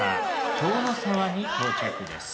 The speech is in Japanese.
塔ノ沢に到着です。